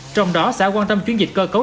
trong đó xã quan tâm chuyên dịch cơ cấu